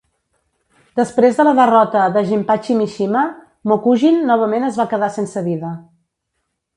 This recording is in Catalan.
Després de la derrota de Jinpachi Mishima, Mokujin novament es va quedar sense vida.